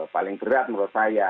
paling berat menurut saya